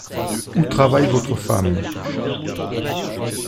Où travaille votre femme ?